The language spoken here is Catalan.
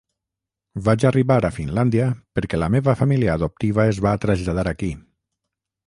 Vaig arribar a Finlàndia perquè la meva família adoptiva es va traslladar aquí.